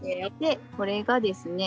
これがですね